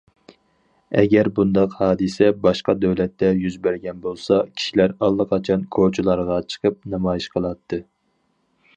ئەگەر بۇنداق ھادىسە باشقا دۆلەتتە يۈز بەرگەن بولسا كىشىلەر ئاللىقاچان كوچىلارغا چىقىپ نامايىش قىلاتتى.